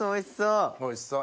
おいしそう！